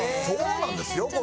そうなんですよ